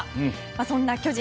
そんな巨人